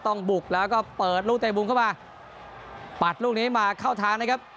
ต้องบุกแล้วก็เปิดลูกเตะมุมเข้ามาปัดลูกนี้มาเข้าทางนะครับ